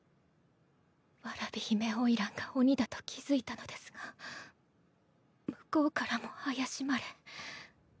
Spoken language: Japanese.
蕨姫花魁が鬼だと気付いたのですが向こうからも怪しまれ。